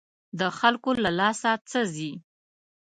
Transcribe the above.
د خلکو له لاسه څه ځي.